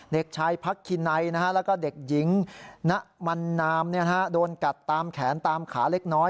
เด็กชายพักคินัยแล้วก็เด็กหญิงณมันนามโดนกัดตามแขนตามขาเล็กน้อย